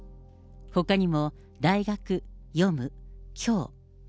ほかにも、大学、読む、きょう。